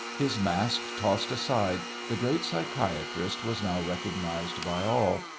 His mask tossed aside, the great psychiatrist was now recognised by all.